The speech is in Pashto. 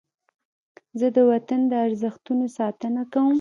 زه د وطن د ارزښتونو ساتنه کوم.